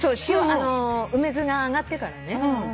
梅酢が上がってからね。